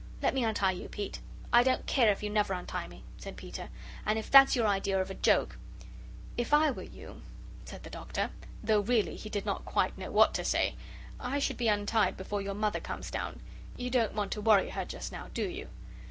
Let me untie you, Pete." "I don't care if you never untie me," said Peter; "and if that's your idea of a joke " "If I were you," said the Doctor, though really he did not quite know what to say, "I should be untied before your Mother comes down. You don't want to worry her just now, do you?"